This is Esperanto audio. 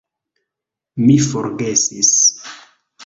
Mi forgesis